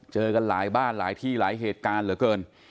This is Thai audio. เจอกันหลายบ้านหลายที่หลายเหตุการณ์เหลือเกิน